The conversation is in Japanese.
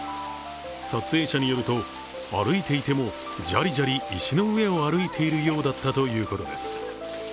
撮影者によると、歩いていてもジャリジャリ石の上を歩いているようだったということです。